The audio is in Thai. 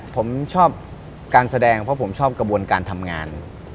ผมชอบการแสดงเพราะผมชอบกระบวนการทำงาน